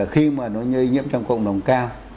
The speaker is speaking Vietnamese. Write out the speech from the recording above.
khi mà nó lây nhiễm trong cộng đồng cao